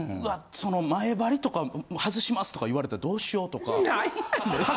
その「前貼りとか外します！」とか言われたらどうしようとか。